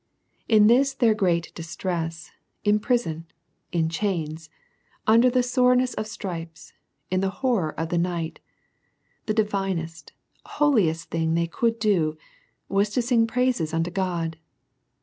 In this their great distress in prison, in chains, un der the soreness of stripes, in the horror of night, the divinest, hohest thing they could do, was to sing praises unto God.